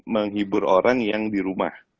menghibur orang yang di rumah